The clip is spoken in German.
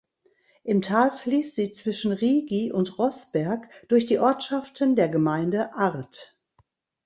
Im Tal fliesst sie zwischen Rigi und Rossberg durch die Ortschaften der Gemeinde Arth.